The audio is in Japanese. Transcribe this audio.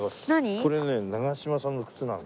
これね長嶋さんの靴なの。